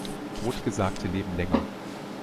Totgesagte leben länger.